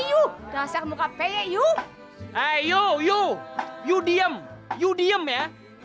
yu usia yu yu usia dia yu